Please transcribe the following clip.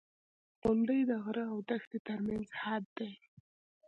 • غونډۍ د غره او دښتې ترمنځ حد دی.